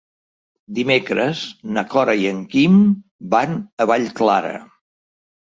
Dimecres na Cora i en Guim van a Vallclara.